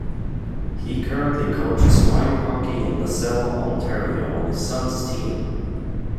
He currently coaches Minor Hockey in Lasalle, Ontario on his sons team.